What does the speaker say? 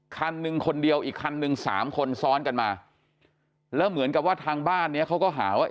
คันหนึ่งคนเดียวอีกคันหนึ่งสามคนซ้อนกันมาแล้วเหมือนกับว่าทางบ้านเนี้ยเขาก็หาว่า